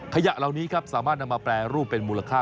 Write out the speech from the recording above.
ขยะเหล่านี้ครับสามารถนำมาแปรรูปเป็นมูลค่า